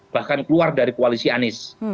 bahkan keluar dari koalisi anies